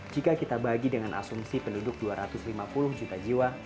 jika kita bagi dengan asumsi penduduk dua ratus lima puluh juta jiwa